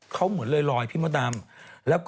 เขาเหมือนลอยพี่มดดำ